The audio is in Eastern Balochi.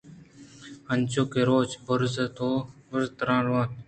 انچو کہ روچ بُرز تر روان بُوت